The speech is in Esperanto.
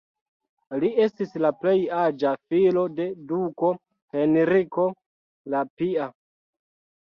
Li estis la plej aĝa filo de duko Henriko la Pia.